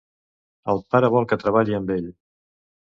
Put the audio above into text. El pare vol que treballe amb ell.